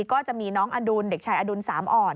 ก็จะมีน้องอดุลเด็กชายอดุลสามอ่อน